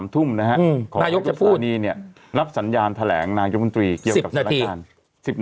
๓ทุ่มนะครับขอให้ทุกฐานีรับสัญญาณแถลงนายกุญตรีเกี่ยวกับสถานการณ์